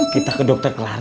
kita ke dokter kelas